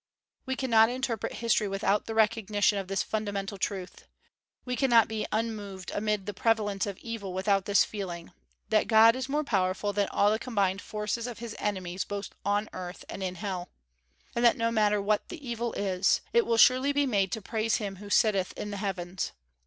We cannot interpret history without the recognition of this fundamental truth. We cannot be unmoved amid the prevalence of evil without this feeling, that God is more powerful than all the combined forces of his enemies both on earth and in hell; and that no matter what the evil is, it will surely be made to praise Him who sitteth in the heavens.